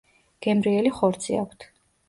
გემრიელი ხორცი აქვთ.